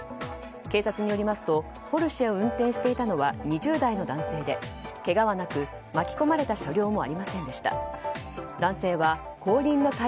警察によりますとポルシェを運転していたのは２０代の男性でけがはなく巻き込まれた車両もありませんでした。